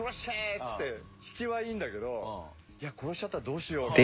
っつって引きはいいんだけど「いや殺しちゃったどうしよう」みたいな。